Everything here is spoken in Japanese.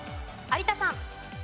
有田さん。